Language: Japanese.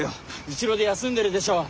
後ろで休んでるでしょ？